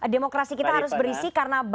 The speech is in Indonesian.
demokrasi kita harus berisi karena